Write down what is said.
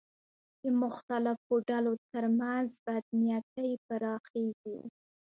د مختلفو ډلو تر منځ بدنیتۍ پراخېږي